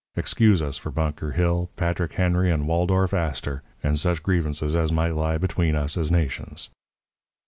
Excuse us for Bunker Hill, Patrick Henry, and Waldorf Astor, and such grievances as might lie between us as nations.'